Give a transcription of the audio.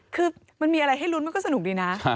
คือมันมีอะไรให้ลุ้นมันก็สนุกดีนะ